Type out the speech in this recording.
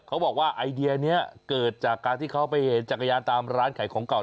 เขาบอกว่าไอเดียนี้เกิดจากการที่เขาไปเห็นจักรยานตามร้านขายของเก่า